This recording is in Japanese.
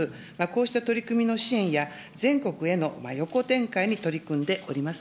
こうした取り組みの支援や全国への横展開に取り組んでおります。